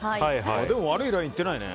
でも悪いラインいってないね。